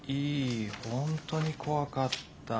「本当に怖かったぁ」。